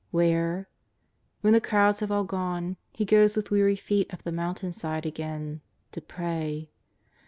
Where ? When the crowds have all gone. He goes with weary feet up the mountain side again — to pray.